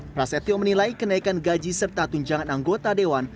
prasetyo menilai kenaikan gaji serta tunjangan anggota dewan